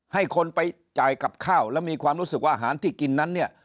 ให้คนไปจ่ายกับข้าวแล้วมีความรู้สึกว่าอาหารที่กินนั้นเนี่ย